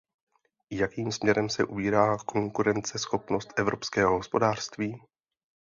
Jakým směrem se ubírá konkurenceschopnost evropského hospodářství?